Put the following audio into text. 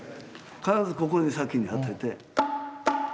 必ずここに先に当てて。